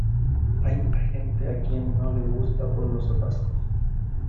hay a gente a quien no le gusta por los atascos